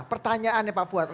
pertanyaannya pak fadli ya